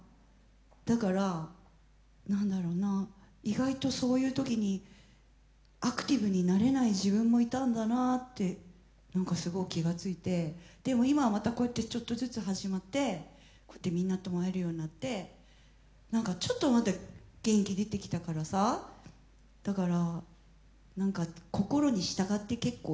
だから何だろうな意外とそういう時にアクティブになれない自分もいたんだなって何かすごく気がついてでも今はまたこうやってちょっとずつ始まってこうやってみんなとも会えるようになって何かちょっとまた元気出てきたからさだから何か心に従って結構いる。